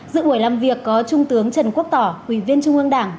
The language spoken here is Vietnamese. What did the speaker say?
dự buổi làm việc có trung tướng trần quốc tỏ ủy viên trung ương đảng